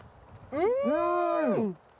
うん！